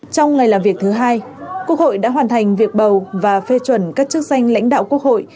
trong ngày làm việc thứ hai quốc hội đã hoàn thành việc bầu và phê chuẩn các chức danh lãnh đạo quốc hội